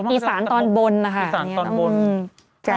อีสานตอนบนค่ะ